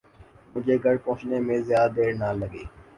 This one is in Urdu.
مجھے گھر پہنچنے میں زیادہ دیر نہ لگی